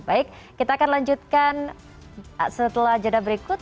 baik kita akan lanjutkan setelah jeda berikut